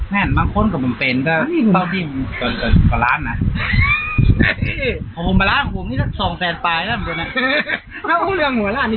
เฮ้ยแม่งบางคนกับผมเป็นก็เพราะว่าพี่ผมก็ล้านน่ะ